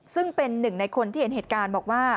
ซึ่งเป็นหนึ่งในคนที่เห็นเหตุการณ์บอกว่า